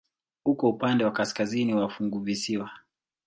Uko upande wa kaskazini wa funguvisiwa.